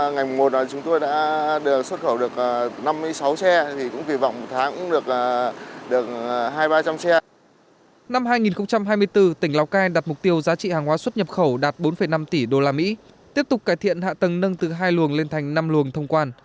năm hai nghìn hai mươi bốn tỉnh lào cai đặt mục tiêu giá trị hàng hóa xuất nhập khẩu đạt bốn năm tỷ usd tiếp tục cải thiện hạ tầng nâng từ hai luồng lên thành năm luồng thông quan